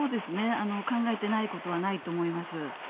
考えていないことはないと思います。